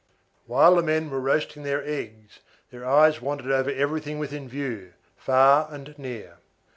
While the men were roasting their eggs, their eyes wandered over everything within view, far and near.